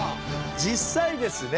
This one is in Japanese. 実際ですね